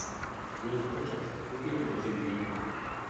Jejich počet se v průběhu doby měnil.